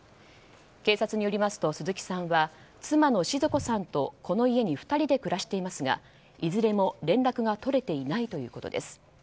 警察によりますと鈴木さんは妻の鎮子さんとこの家に２人で暮らしていますがいずれも連絡が取れていないということです。